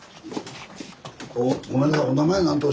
ごめんなさい。